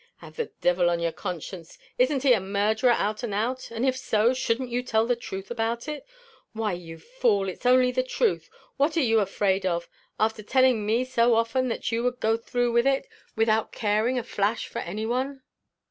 "Have the divil on your conscience. Isn't he a murderer out and out? and, if so, shouldn't you tell the truth about it? Why, you fool, it's only the truth. What are you afraid of? after telling me so often that you would go through with it without caring a flash for any one!"